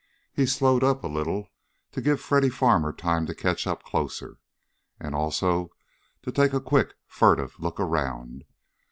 He slowed up a little to give Freddy Farmer time to catch up closer, and, also, to take a quick furtive look around.